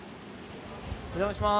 お邪魔します。